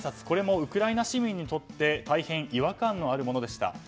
これもウクライナ市民にとって大変、違和感のあるものでした。